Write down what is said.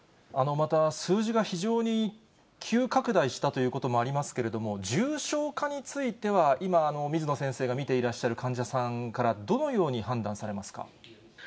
また数字が非常に急拡大したということもありますけれども、重症化については、今、水野先生が見ていらっしゃる患者さんから、どのように判断されますか？